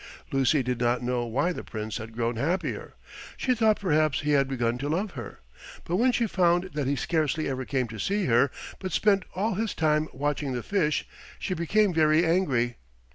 Lucy did not know why the Prince had grown happier. She thought perhaps he had begun to love her. But when she found that he scarcely ever came to see her, but spent all his time watching the fish, she became very angry.